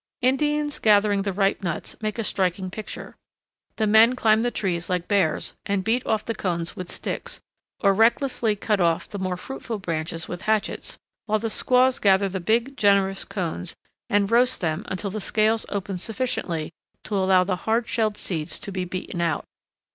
Indians gathering the ripe nuts make a striking picture. The men climb the trees like bears and beat off the cones with sticks, or recklessly cut off the more fruitful branches with hatchets, while the squaws gather the big, generous cones, and roast them until the scales open sufficiently to allow the hard shelled seeds to be beaten out.